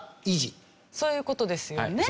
そういう事ですよね？